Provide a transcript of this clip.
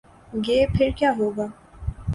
گے، پھر کیا ہو گا؟